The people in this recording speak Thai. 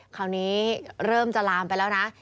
คราวนี้เริ่มจะลามไปแล้วนะ